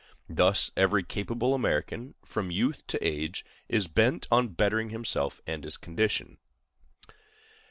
Thus every capable American, from youth to age, is bent on bettering himself and his condition.